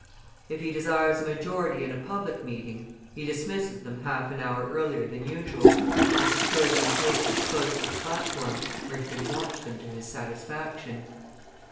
If he desires a majority in a public meeting, he dismisses them half an hour earlier than usual, and secures them places close to the platform, where he can watch them to his satisfaction.